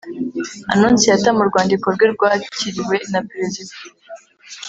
anonsiyata mu rwandiko rwe rwakiriwe na perezida